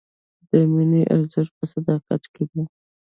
د مینې ارزښت په صداقت کې دی.